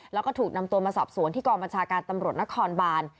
แล้วก็ถูกนำตัวมาสอบสวนที่กองบัญชาการตำรวจนครบาน